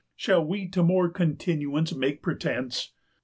Shall we to more continuance make pretence?